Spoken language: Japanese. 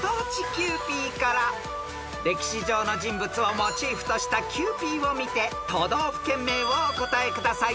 ［歴史上の人物をモチーフとしたキユーピーを見て都道府県名をお答えください］